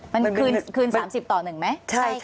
มันคืน๓๐ต่อ๑ไหม